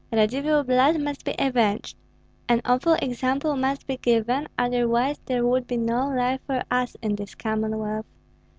Radzivill blood must be avenged, an awful example must be given, otherwise there would be no life for us in this Commonwealth.